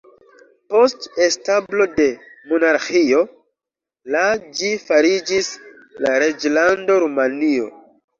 Post establo de monarĥio la ĝi fariĝis la Reĝlando Rumanio.